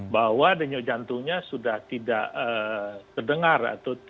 bahwa denyut jantungnya sudah tidak terdengar